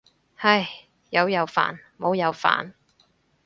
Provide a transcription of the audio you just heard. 唉，有又煩冇又煩。